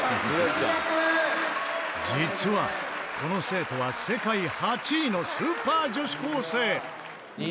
実はこの生徒は世界８位のスーパー女子高生！